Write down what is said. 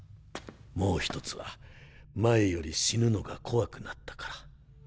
もう１つは前より死ぬのが怖くなったから。